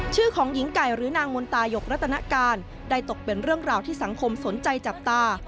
ชื่อของหญิงไก่หรือนางมนตายกรัตนการได้ตกเป็นเรื่องราวที่สังคมสนใจจับตา